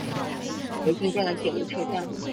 国见站的铁路车站。